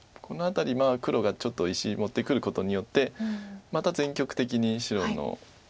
この辺り黒がちょっと石持ってくることによってまた全局的に白の。